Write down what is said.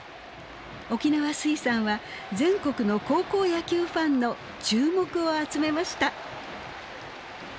沖縄水産は全国の高校野球ファンの注目を集めました。